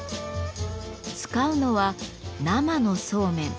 使うのは生のそうめん。